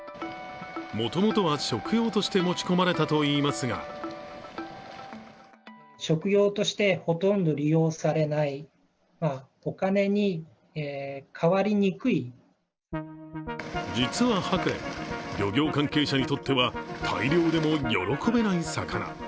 もともとは食用として持ち込まれたといいますが実はハクレン、漁業関係者にとっては大漁でも喜べない魚。